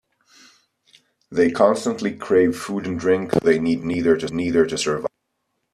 They constantly crave food and drink, although they need neither to survive.